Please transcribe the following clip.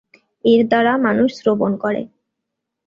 এর দ্বারা মানুষ শ্রবণ করে।